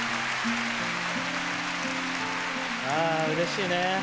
うれしいね。